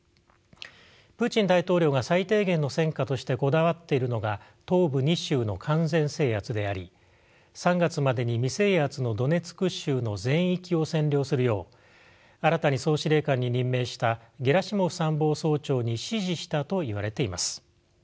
プーチン大統領が最低限の戦果としてこだわっているのが東部２州の完全制圧であり３月までに未制圧のドネツク州の全域を占領するよう新たに総司令官に任命したゲラシモフ参謀総長に指示したといわれています。